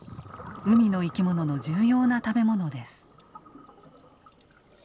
海の生き物の重要な食べ物です。